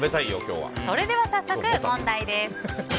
それでは早速、問題です。